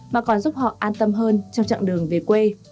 mà còn giúp họ an tâm hơn trong chặng đường về quê